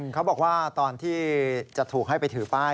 เขาบอกว่าตอนที่จะถูกให้ไปถือป้าย